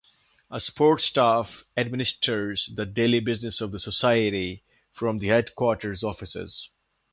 A support staff administers the daily business of the society from the headquarters offices.